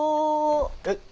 えっ？